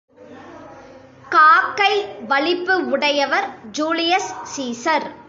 காக்கை வலிப்பு உடையவர் ஜூலியஸ் ஸீஸர்.